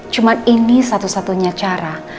cuma ini satu satunya cara